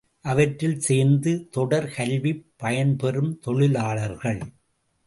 அவற்றில் சேர்ந்து, தொடர் கல்விப் பயன்பெறும் தொழிலாளர்கள்.